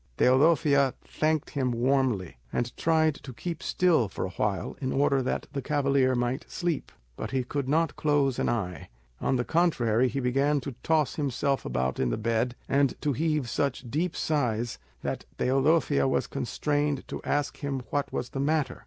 Teodosia thanked him warmly, and tried to keep still for a while in order that the cavalier might sleep; but he could not close an eye; on the contrary he began to toss himself about in the bed, and to heave such deep sighs that Teodosia was constrained to ask him what was the matter?